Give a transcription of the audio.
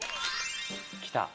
来た！